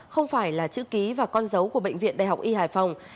không phải là chữ ký và con dấu của bệnh viện đại học y hải phòng